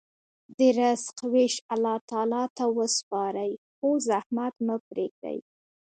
د رزق ویش الله تعالی ته وسپارئ، خو زحمت مه پرېږدئ.